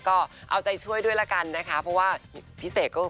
ก็เอาใจช่วยด้วยละกันนะคะเพราะว่าพี่เสกก็